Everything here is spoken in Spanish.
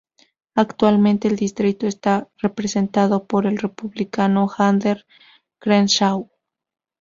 Actualmente el distrito está representado por el Republicano Ander Crenshaw.